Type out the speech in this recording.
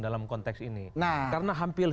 dalam konteks ini nah karena hampir